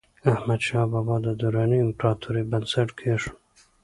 احمدشاه بابا د دراني امپراتورۍ بنسټ کېښود.